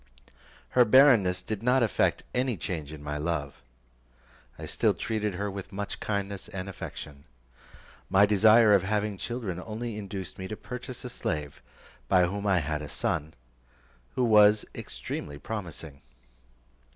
Her barrenness did not effect any change in my love; I still treated her with much kindness and affection. My desire of having children only induced me to purchase a slave, by whom I had a son, who was extremely promising.